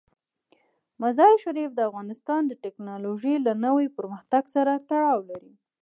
مزارشریف د افغانستان د تکنالوژۍ له نوي پرمختګ سره تړاو لري.